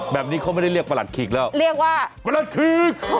แบบนี้เขาไม่ได้เรียกประหลัดขีกแล้วเรียกว่าประหลัดขีก